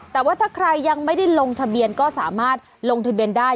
แต่ว่าถ้าใครยังไม่ได้ลงทะเบียนก็สามารถลงทะเบียนได้